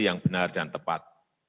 yang benar dan tepat